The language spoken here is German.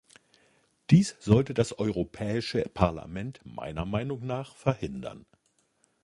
Dies sollte das Europäische Parlament meiner Meinung nach verhindern.